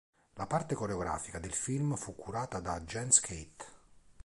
La parte coreografica del film fu curata da Jens Keith.